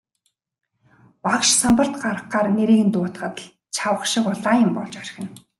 Багш самбарт гаргахаар нэрийг нь дуудахад л чавга шиг улаан юм болж орхино.